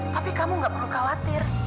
tapi kamu gak perlu khawatir